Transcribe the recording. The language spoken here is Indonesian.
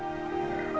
masih malu kamu